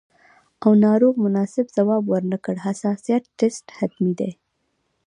او ناروغ مناسب ځواب ورنکړي، حساسیت ټسټ حتمي دی.